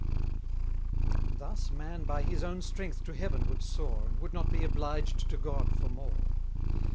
Thus man by his own strength to heaven would soar, And would not be obliged to God for more.